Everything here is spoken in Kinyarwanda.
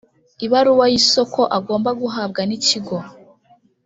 ibaruwa y’isoko agombwa guhabwa n’Ikigo